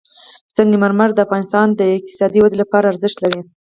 سنگ مرمر د افغانستان د اقتصادي ودې لپاره ارزښت لري.